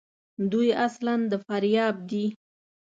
دوی اصلاُ د فاریاب دي.